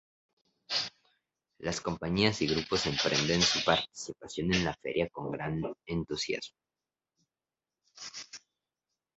Las compañías y grupos emprenden su participación en la feria con un gran entusiasmo.